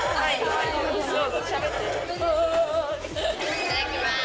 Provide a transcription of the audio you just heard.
いただきます。